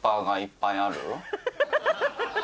ハハハハ。